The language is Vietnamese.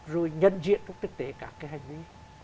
rồi nhân diện trong thực tế các cái hành vi